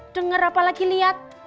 dengar apa lagi liat